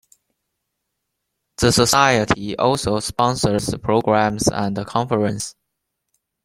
The Society also sponsors programs and conferences.